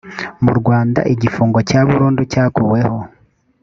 mu rwanda igifungo cya burundu cyakuweho